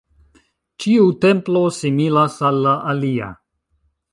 Ĉiu templo similas al la alia.